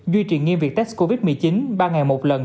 duy trì nghiêm việc test covid một mươi chín ba ngày một lần